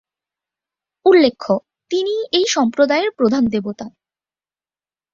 উল্লেখ্য, তিনিই এই সম্প্রদায়ের প্রধান দেবতা।